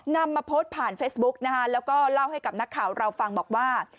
นำมาโพสต์ผ่านเฟซบุ๊กนะคะแล้วก็เล่าให้กับนักข่าวเราฟังบอกว่า